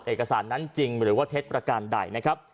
เอกสารนั้นจริงหรือว่าเท็จประการใดนะครับ